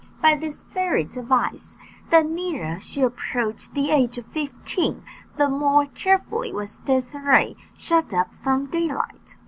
By this fairy's advice, the nearer she approached the age of fifteen, the more carefully was Désirée shut up from daylight.